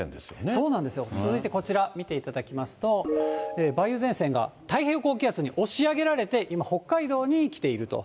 そうなんですよ、続いてこちら見ていただきますと、梅雨前線が太平洋高気圧に押し上げられて今、北海道に来ていると。